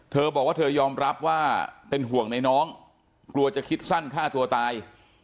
เธอบอกว่าเธอยอมรับว่าเป็นห่วงในน้องกลัวจะคิดสั้นฆ่าตัวตาย